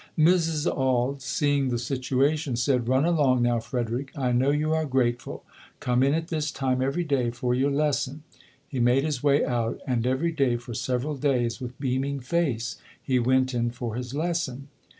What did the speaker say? Mrs. Auld, seeing the situation, said, "Run along now, Frederick. I know you are grateful. Come in at this time every day for your lesson". He made his way out and every day for several days, with beaming face, he went in for his lesson.